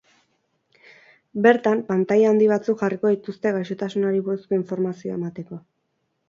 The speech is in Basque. Bertan, pantaila handi batzuk jarriko dituzte gaixotasunari buruzko informazioa emateko.